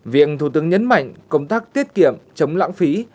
viện thủ tướng nhấn mạnh công tác tiết kiệm chống lãng phí